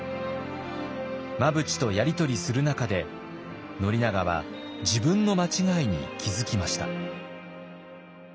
真淵とやり取りする中で宣長は自分の間違いに気付きました。